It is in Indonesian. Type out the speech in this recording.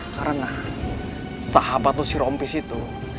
karena sahabat lu si rompis itu